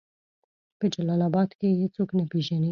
په جلال آباد کې يې څوک نه پېژني